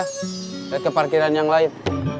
dari ke parkiran yang lain